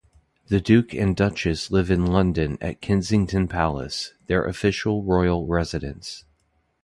The Duke and Duchess live in London at Kensington Palace, their official royal residence.